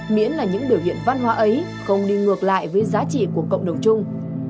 miễn là những biểu hiện văn hóa ấy không đi ngược lại với giá trị của cộng đồng chung